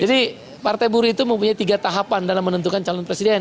partai buruh itu mempunyai tiga tahapan dalam menentukan calon presiden